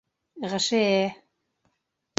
ҒШЭ...